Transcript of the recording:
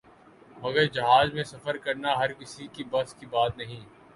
مگر جہاز میں سفر کرنا ہر کسی کے بس کی بات نہیں ہے ۔